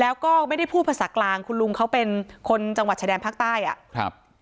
แล้วก็ไม่ได้พูดภาษากลางคุณลุงเขาเป็นคนจังหวัดชายแดนภาคใต้อ่ะครับ